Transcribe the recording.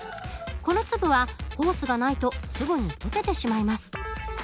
この粒はホースがないとすぐに溶けてしまいます。